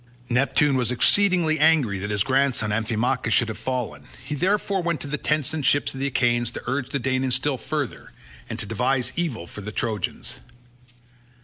Neptune was exceedingly angry that his grandson Amphimachus should have fallen; he therefore went to the tents and ships of the Achaeans to urge the Danaans still further, and to devise evil for the Trojans.